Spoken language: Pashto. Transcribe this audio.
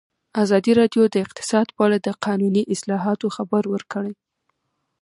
ازادي راډیو د اقتصاد په اړه د قانوني اصلاحاتو خبر ورکړی.